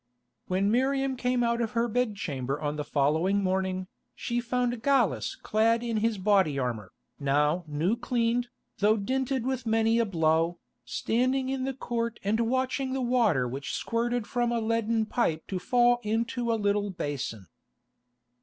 When Miriam came out of her bedchamber on the following morning, she found Gallus clad in his body armour, now new cleaned, though dinted with many a blow, standing in the court and watching the water which squirted from a leaden pipe to fall into a little basin.